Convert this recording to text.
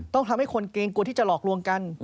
ต้องทำให้คนเกรงกลัวที่จะหลอกลวงกัน